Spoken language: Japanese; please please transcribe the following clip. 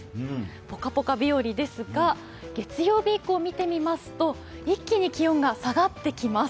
ポカポカ日和ですが月曜日以降、見てみますと一気に気温が下がってきます。